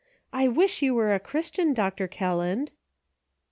I wish you were a Christian, Dr. Kelland."